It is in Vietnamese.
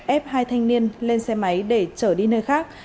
ép hai thanh niên lên xe máy để trở đi nơi khác